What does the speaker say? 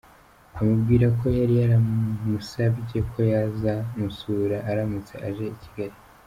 Amubwira ko yari yaramusabye ko yazamusura aramutse aje i Kigali.